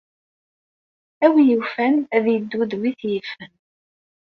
A wi yufan, ad yeddu d wi t-yifen.